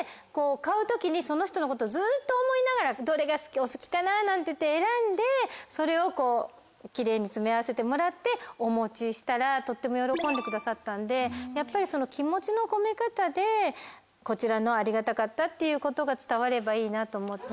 買う時にその人のことをずっと思いながら「どれがお好きかな」なんていって選んでそれをキレイに詰め合わせてもらってお持ちしたらとっても喜んでくださったんでやっぱり気持ちの込め方でこちらのありがたかったっていうことが伝わればいいなと思って。